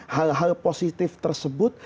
hal hal positif tersebut